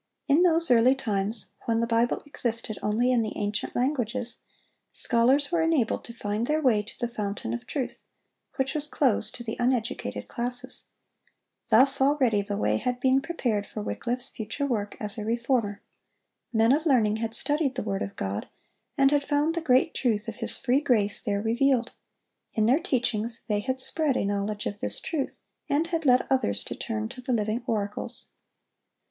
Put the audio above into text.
In those early times, when the Bible existed only in the ancient languages, scholars were enabled to find their way to the fountain of truth, which was closed to the uneducated classes. Thus already the way had been prepared for Wycliffe's future work as a Reformer. Men of learning had studied the word of God, and had found the great truth of His free grace there revealed. In their teachings they had spread a knowledge of this truth, and had led others to turn to the Living Oracles.